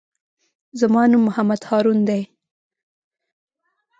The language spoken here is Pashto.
زما نوم محمد هارون دئ.